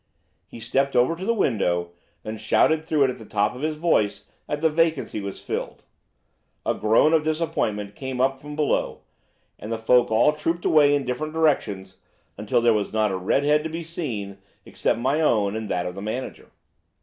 He stepped over to the window and shouted through it at the top of his voice that the vacancy was filled. A groan of disappointment came up from below, and the folk all trooped away in different directions until there was not a red head to be seen except my own and that of the manager.